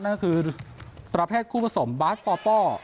นั่นก็คือประเภทคู่ผสมบาสปอป้อ